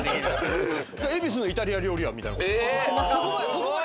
恵比寿のイタリア料理みたいな？